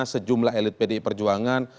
sejumlah elit pdi perjuangan